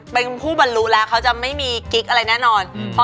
เป็นผู้บรรลุแล้วเขาจะไม่มีกิ๊กอะไรแน่นอน